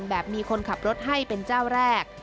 แบบมีคนขับรถให้เป็นเจ้าแรก